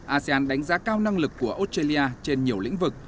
asean đánh giá cao năng lực của australia trên nhiều lĩnh vực